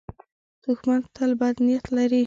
دښمن تل بد نیت لري